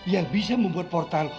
yang bisa membuat portal